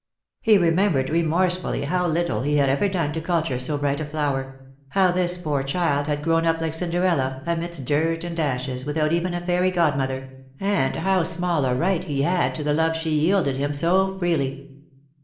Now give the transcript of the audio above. He remembered remorsefully how little he had ever done to culture so bright a flower ; how this poor child had grown up like Cinderella, amidst dirt and ashes, without even a fairy godmother ; and how small a right he had to the love she yielded him so freely.